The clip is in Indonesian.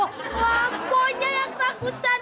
wah ampunya yang keragusan